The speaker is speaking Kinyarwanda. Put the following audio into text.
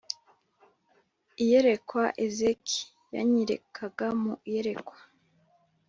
Iyerekwa ezk yanyerekaga mu iyerekwa